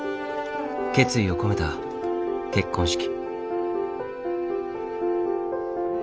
決意を込めた結婚式。